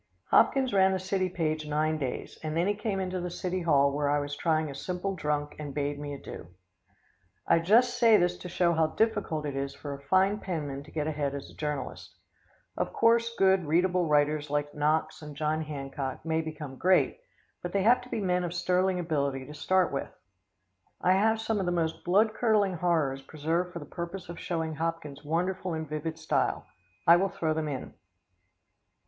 ] Hopkins ran the city page nine days, and then he came into the city hall where I was trying a simple drunk and bade me adieu. I just say this to show how difficult it is for a fine penman to get ahead as a journalist. Of course good, readable writers like Knox and John Hancock may become great, but they have to be men of sterling ability to start with. I have some of the most bloodcurdling horrors preserved for the purpose of showing Hopkins' wonderful and vivid style. I will throw them in.